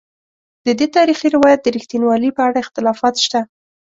ددې تاریخي روایت د رښتینوالي په اړه اختلافات شته.